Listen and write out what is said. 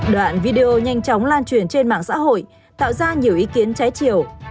đoạn video nhanh chóng lan truyền trên mạng xã hội tạo ra nhiều ý kiến trái chiều